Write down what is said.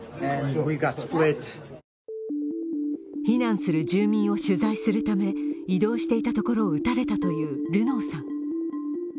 避難する住民を取材するため移動していたところを撃たれたというルノーさん。